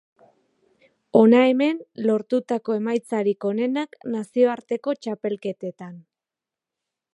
Hona hemen lortutako emaitzarik onenak nazioarteko txapelketetan.